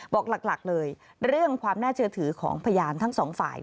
บอกหลักเลยเรื่องความน่าเชื่อถือของพยานทั้งสองฝ่าย